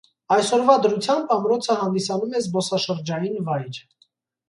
Այսօրվա դրությամբ ամրոցը հանդիսանում է զբոսաշրջային վայր։